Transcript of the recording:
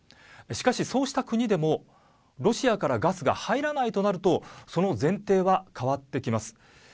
しかし、そうした国でもロシアからガスが入らないとなるとその前提は変わってきます。